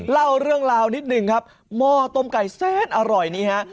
เล่าเรื่องราวนิดหนึ่งครับหม้อต้มไก่แซนอร่อยนี้ฮะ